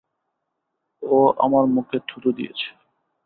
ও আমার মুখে থুথু দিয়েছে!